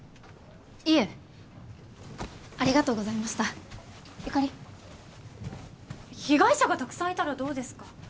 いえありがとうございましたゆかり被害者がたくさんいたらどうですか？